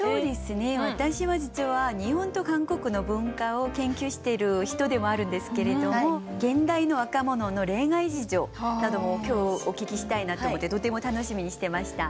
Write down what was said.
私は実は日本と韓国の文化を研究している人でもあるんですけれども現代の若者の恋愛事情なども今日お聞きしたいなと思ってとても楽しみにしてました。